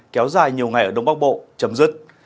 kéo dài nhiều ngày ở đông bắc bộ chấm dứt